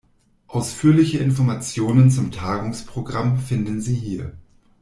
Ausführliche Informationen zum Tagungsprogramm finden Sie hier.